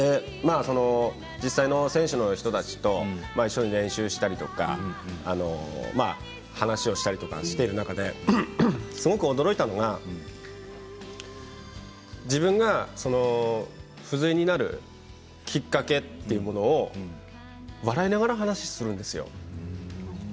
実際の選手の人たちと一緒に練習をしたりとか話をしたりとかしている中ですごく驚いたのが自分が不随になるきっかけというものを笑いながら話をするんですよ。